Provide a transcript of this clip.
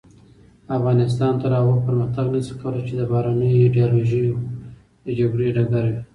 افغانستان تر هغو پرمختګ نشي کولای چې د بهرنیو ایډیالوژیو د جګړې ډګر وي.